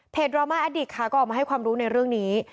ดราม่าแอดดิกค่ะก็ออกมาให้ความรู้ในเรื่องนี้